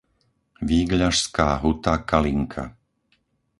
Vígľašská Huta-Kalinka